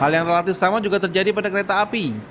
hal yang relatif sama juga terjadi pada kereta api